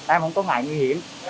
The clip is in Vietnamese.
em không có ngại nguy hiểm